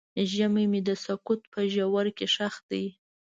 زړه مې د سکوت په ژوره کې ښخ دی.